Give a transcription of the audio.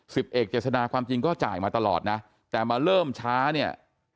สิบเอกเจษฎาความจริงก็จ่ายมาตลอดนะแต่มาเริ่มช้าเนี่ย